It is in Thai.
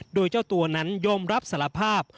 โดยเจ้าตัวนั้นยอมรับสารภาพ